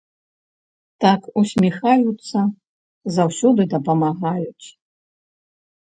Так усміхаюцца, заўсёды дапамагаюць!